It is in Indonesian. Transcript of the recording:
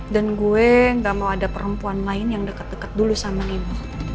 dan gue gak mau ada perempuan lain yang deket deket dulu sama nino